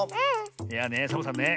いやねサボさんね